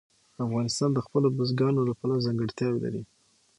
افغانستان د خپلو بزګانو له پلوه ځانګړتیاوې لري.